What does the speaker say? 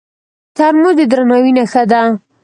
ترموز د درناوي نښه ده.